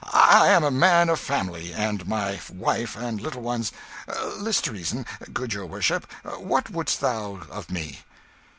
I am a man of family; and my wife and little ones List to reason, good your worship: what wouldst thou of me?"